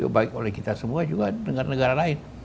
baik oleh kita semua juga dengan negara lain